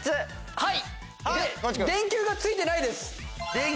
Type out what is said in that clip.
はい！